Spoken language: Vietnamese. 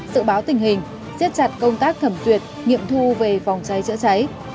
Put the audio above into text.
dự báo tình hình xét chặt công tác thẩm tuyệt nghiệm thu về phòng cháy chữa cháy